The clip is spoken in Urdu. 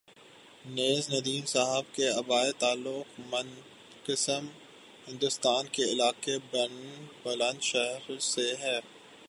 نیّرندیم صاحب کا آبائی تعلق منقسم ہندوستان کے علاقہ برن بلند شہر سے ہے